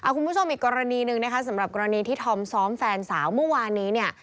คุณผู้ชมอีกกรณีหนึ่งนะคะสำหรับกรณีที่ธอมซ้อมแฟนสาวเมื่อวานนี้เนี่ย